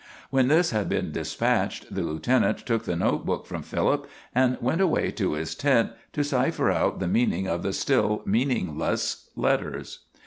When this had been despatched, the lieutenant took the note book from Philip, and went away to his tent to cipher out the meaning of the still meaningless letters.